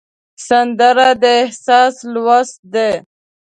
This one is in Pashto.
سندره د احساس لوست دی